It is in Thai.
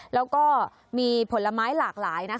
แล้วก็มีผลไม้หลากหลาย